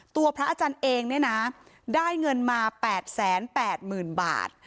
เพราะพระอาจารย์เองได้เงินมาแปดแสนแปดหมื่นบาท